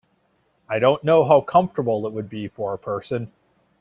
I don’t know how comfortable it would be for a person.